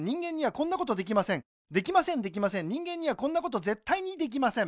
できませんできません人間にはこんなことぜったいにできません